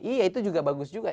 iya itu juga bagus juga